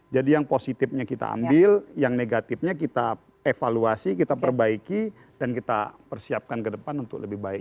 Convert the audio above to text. jadi yang positifnya kita ambil yang negatifnya kita evaluasi kita perbaiki dan kita persiapkan ke depan untuk lebih baik